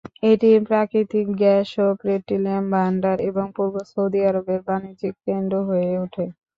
এটি প্রাকৃতিক গ্যাস এবং পেট্রোলিয়াম ভাণ্ডার এবং পূর্ব সৌদি আরবের বাণিজ্যিক কেন্দ্র হয়ে ওঠে।